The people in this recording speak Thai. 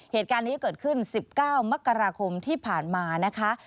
เหตุการณ์นี้เกิดขึ้น๑๙มกราคมที่ผ่านมานะคะ